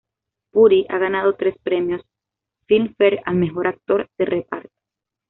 Puri ha ganado tres premios Filmfare al Mejor Actor de Reparto.